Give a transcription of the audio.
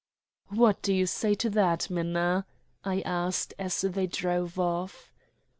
"What do you say to that, Minna?" I asked as they drove off.